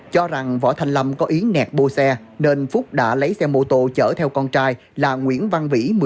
cho rằng võ thanh lâm có ý nẹt bô xe nên phúc đã lấy xe mô tô chở theo con trai là nguyễn văn vĩ